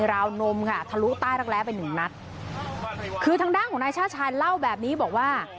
ราวนมค่ะทะลุใต้รักแร้ไปหนึ่งนัดคือทางด้านของนายชาติชายเล่าแบบนี้บอกว่า